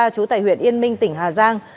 chú tại huyện yên minh tỉnh hà giang